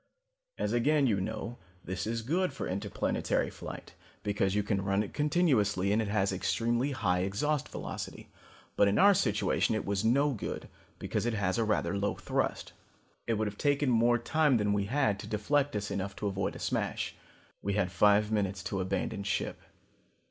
As again you know, this is good for interplanetary flight because you can run it continuously and it has extremely high exhaust velocity. But in our situation it was no good because it has rather a low thrust. It would have taken more time than we had to deflect us enough to avoid a smash. We had five minutes to abandon ship.